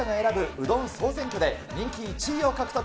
うどん総選挙で、人気１位を獲得。